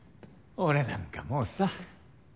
俺なんかもうさ。